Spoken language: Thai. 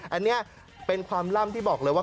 อันนี้เป็นความล่ำที่บอกเลยว่า